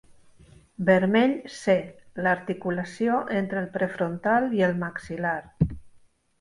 Vermell C: l'articulació entre el prefrontal i el maxil·lar.